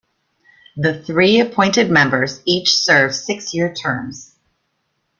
The three appointed members each serve six-year terms.